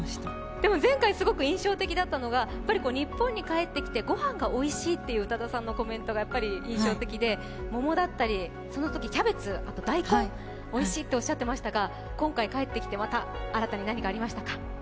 でも前回すごく印象的だったのが、日本に帰ってきて、ごはんがおいしいという宇多田さんのコメントが印象的で桃だったり、そのときキャベツ、大根、おいしいっておっしゃっていましたが、今回帰ってきてまた新たに何かありましたか？